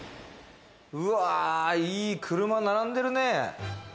いい車並んでるね。